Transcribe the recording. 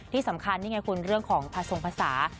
ที่สำคัญนี่ไงคุณเรื่องของผสมภาษา